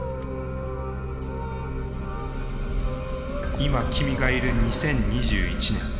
今君がいる２０２１年。